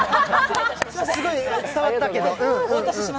すごい伝わったけど。